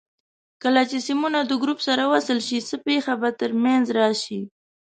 کله چې سیمونه د ګروپ سره وصل شي څه پېښه به تر منځ راشي؟